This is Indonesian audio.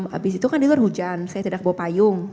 habis itu kan di luar hujan saya tidak bawa payung